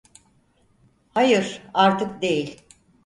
Hayır, artık değil.